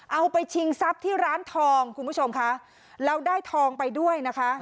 เอาไปชิงทรัพย์ที่ร้านทองคุณผู้ชมค่ะแล้วได้ทองไปด้วยนะคะ